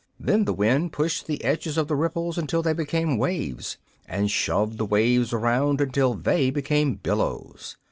Then the wind pushed the edges of the ripples until they became waves, and shoved the waves around until they became billows.